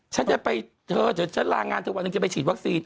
ฉันจะไปฉันลางงานทุกวันหนึ่งจะไปฉีดวัคซีน